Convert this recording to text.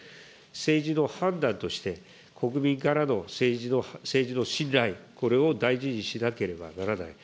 政治の判断として、国民からの政治の信頼、これを大事にしなければならない。